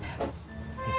gak kecanduan hp